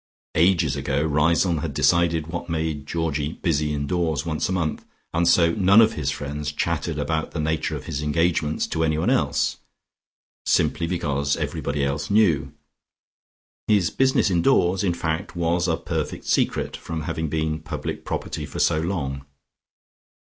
Ages ago Riseholme had decided what made Georgie "busy indoors" once a month, and so none of his friends chatted about the nature of his engagements to anyone else, simply because everybody else knew. His business indoors, in fact, was a perfect secret, from having been public property for so long.